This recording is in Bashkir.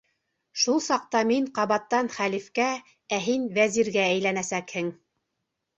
Шул саҡта мин ҡабаттан хәлифкә, ә һин вәзиргә әйләнәсәкһең.